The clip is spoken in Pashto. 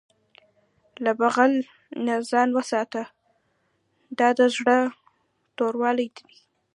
له بخل نه ځان وساته، دا د زړه توروالی دی.